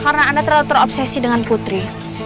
karena anda terlalu terobsesi dengan putri